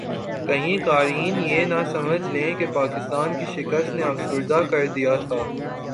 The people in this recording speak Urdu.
کہیں قارئین یہ نہ سمجھ لیں کہ پاکستان کی شکست نے افسردہ کردیا تھا